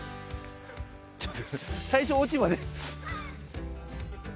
ちょっと最初落ち葉で。